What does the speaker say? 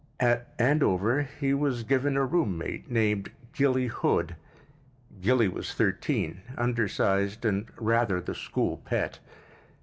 At Andover he was given a roommate named Gilly Hood. Gilly was thirteen, undersized, and rather the school pet.